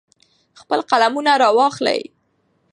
خپل قلمونه را واخلئ.